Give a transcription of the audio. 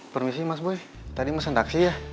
permisi mas boy tadi mesin taksi ya